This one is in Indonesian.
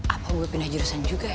apa gue pindah jurusan juga